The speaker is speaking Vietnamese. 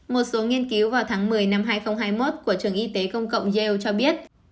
một số nghiên cứu vào tháng một mươi năm hai nghìn hai mươi một của trường y tế công cộng yell cho biết